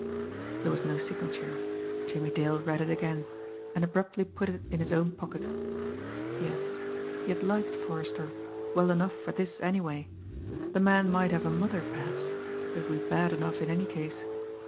There was no signature. Jimmie Dale read it again and abruptly put it in his own pocket. Yes, he had liked Forrester well enough for this anyway! The man might have a mother perhaps it would be bad enough in any case.